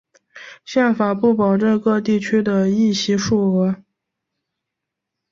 宪法不保证各地区的议席数额。